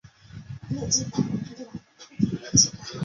拉利佐尔人口变化图示